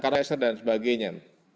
karena dan sebagainya